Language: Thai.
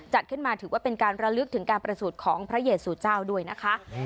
จัดขึ้นมาถือว่าเป็นการระลึกถึงการประสูจน์ของพระเยสูเจ้าด้วยนะคะ